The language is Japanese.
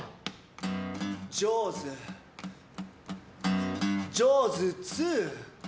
「ジョーズ」、「ジョーズ２」